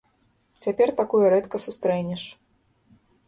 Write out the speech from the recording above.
Цяпер такое рэдка сустрэнеш.